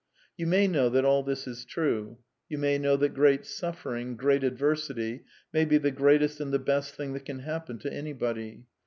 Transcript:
You may know that all this is true. You may know that great suffering, great adversity, may be the greatest and the best thing that can happen to anybody.